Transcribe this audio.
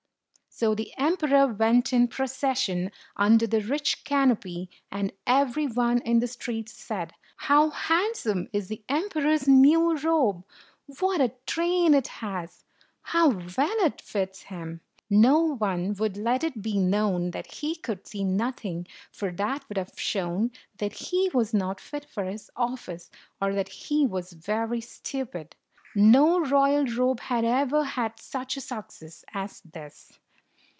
So the emperor went in the procession, under 125 the rich canopy, and every one in the streets said, "How handsome is the emperor's new robe! What a train it has! How well it fits him!" No one would let it be known that he could see nothing, for that would have shown that he was not fit for his office, or that he was very stupid. No royal robe had ever had such a success as this.